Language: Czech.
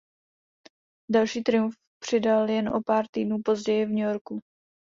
Další triumf přidal jen o pár týdnů později v New Yorku.